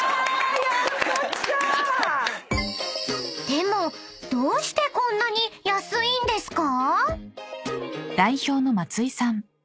［でもどうしてこんなに安いんですか？］